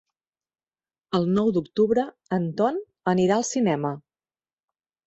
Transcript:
El nou d'octubre en Ton anirà al cinema.